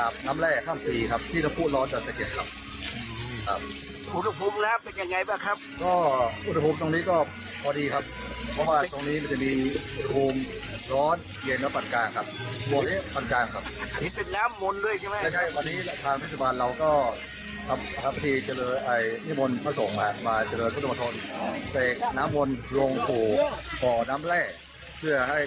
ชาวบ้านหรือว่าท่องเที่ยวที่มาอาบน้ำวันนี้ครับ